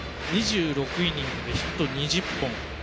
２６イニングで、ヒット２０本。